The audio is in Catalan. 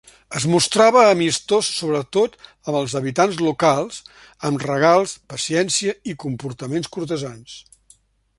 Es mostrava amistós sobretot amb els habitants locals amb regals, paciència i comportaments cortesans.